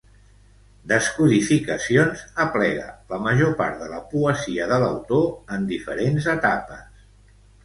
“Descodificacions” aplega la major part de la poesia de l'autor en diferents etapes.